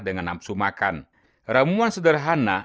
dengan nafsu makan ramuan sederhana